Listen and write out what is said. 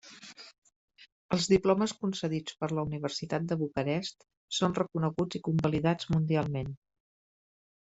Els diplomes concedits per la Universitat de Bucarest són reconeguts i convalidats mundialment.